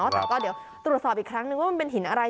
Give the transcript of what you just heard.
แต่ก็เดี๋ยวตรวจสอบอีกครั้งนึงว่ามันเป็นหินอะไร